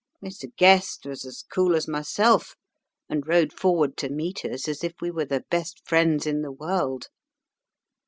Mr. Guest was as cool as myself, and rode forward to meet us as if we were the best friends in the world.